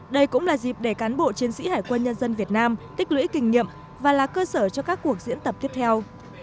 đây cũng là dịp để cán bộ chiến sĩ hải quân nhân dân việt nam tích lũy kinh nghiệm và là cơ sở cho các cuộc diễn tập tiếp theo